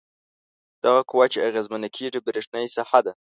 دغه قوه چې اغیزمنه کیږي برېښنايي ساحه ده.